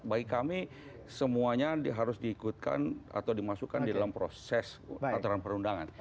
bagi kami semuanya harus diikutkan atau dimasukkan di dalam proses aturan perundangan